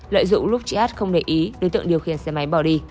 lợi dụng lúc chị hát không để ý đối tượng điều khiển xe máy bỏ đi